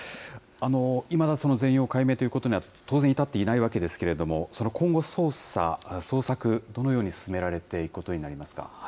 いまだその全容解明ということには、当然至っていないわけですけれども、今後、捜査、捜索、どのように進められていくことになりますか。